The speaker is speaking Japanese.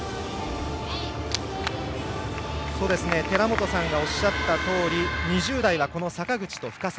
寺本さんがおっしゃったとおり２０代は坂口と深沢。